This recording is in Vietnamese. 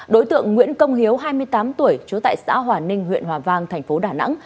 đối tượng nguyễn công hiếu hai mươi tám tuổi chú tại xã hòa ninh huyện hòa vang tp đà nẵng